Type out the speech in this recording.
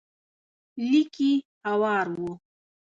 ليکي هوار و.